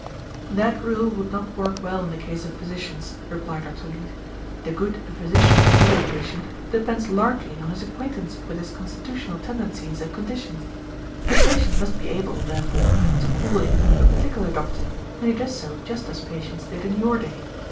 "That rule would not work well in the case of physicians," replied Dr. Leete. "The good a physician can do a patient depends largely on his acquaintance with his constitutional tendencies and condition. The patient must be able, therefore, to call in a particular doctor, and he does so just as patients did in your day.